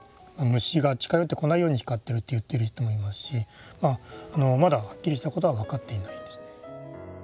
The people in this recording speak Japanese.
虫が近寄ってこないように光ってるって言ってる人もいますしまだはっきりしたことは分かっていないんですね。